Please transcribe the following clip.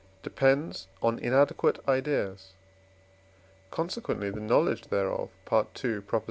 depends on inadequate ideas; consequently the knowledge thereof (II.